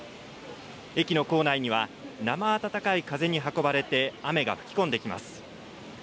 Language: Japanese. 駅の構内には、なま暖かい風に運ばれて雨が吹き込んできます。